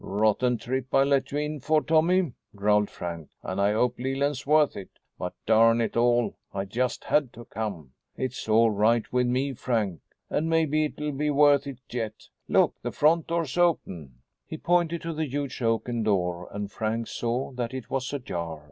"Rotten trip I let you in for Tommy," growled Frank, "and I hope Leland's worth it. But, darn it all, I just had to come." "It's all right with me, Frank. And maybe it'll be worth it yet. Look the front door's open." He pointed to the huge oaken door and Frank saw that it was ajar.